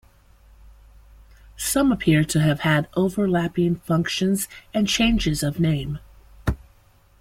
Some appear to have had overlapping functions and changes of name.